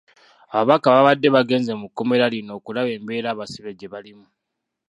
Ababaka baabadde bagenze mu kkomera lino okulaba embeera abasibe gye balimu.